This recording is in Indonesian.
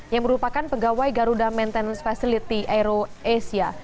yang merupakan pegawai garuda maintenance facility aero asia